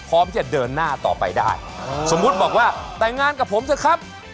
พร้อมที่จะเดินหน้าต่อไปได้สมมุติบอกว่าแต่งงานกับผมเถอะครับ